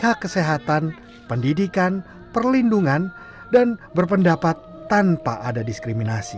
hak kesehatan pendidikan perlindungan dan berpendapat tanpa ada diskriminasi